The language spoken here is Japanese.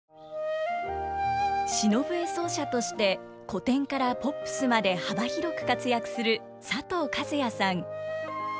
篠笛奏者として古典からポップスまで幅広く活躍する佐藤和哉さん。